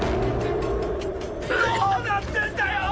どうなってんだよ！